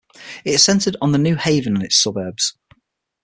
It is centered on the New Haven and its suburbs.